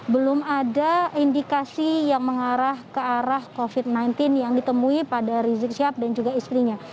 belum ada indikasi yang mengarah ke arah covid sembilan belas yang ditemui pada rizik syihab dan juga istrinya